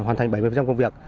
hoàn thành bảy mươi công việc